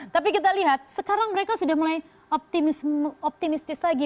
tapi kita lihat sekarang mereka sudah mulai optimistis lagi